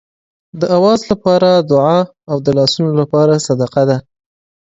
د آواز لپاره دعا او د لاسونو لپاره صدقه ده.